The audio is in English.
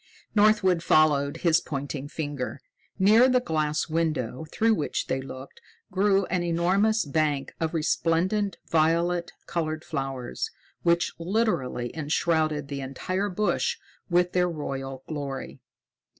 Northwood followed his pointing finger. Near the glass window through which they looked grew an enormous bank of resplendent violet colored flowers, which literally enshrouded the entire bush with their royal glory.